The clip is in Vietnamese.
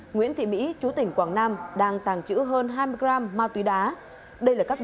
nguyễn thị mỹ trú tỉnh quảng nam đang tàng trữ hơn hai mươi gram ma túy đá